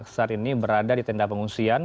saat ini berada di tenda pengungsian